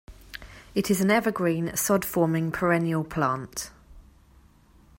It is an evergreen, sod-forming perennial plant.